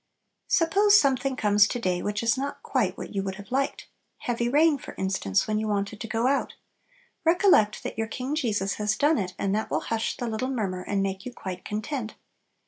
Suppose something comes to day which is not quite what you would have liked; heavy rain, for instance, when you wanted to go out, recollect that your King Jesus has done it, and that will hush the little murmur, and make you quite content.